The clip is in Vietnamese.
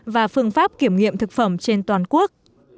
và phương pháp kiểm nghiệm thực phẩm trên toàn quốc